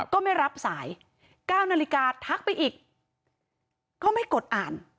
ก็ไม่รับสาย๙นาฬิกาทักไปอีกก็ไม่กดอ่าน